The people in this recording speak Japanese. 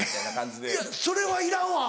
いやそれはいらんわ。